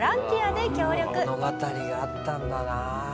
物語があったんだな。